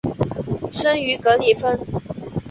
生于格里芬。